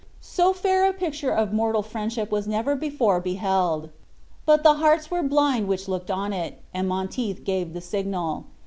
So fair a picture of mortal friendship was never before beheld. But the hearts were blind which looked on it, and Monteith gave the signal.